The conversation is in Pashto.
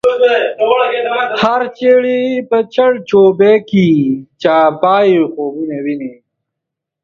هر چړی په چړ چوبی کی، پاچایی خوبونه وینی